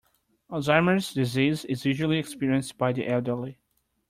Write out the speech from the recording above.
Alzheimer’s disease is usually experienced by the elderly.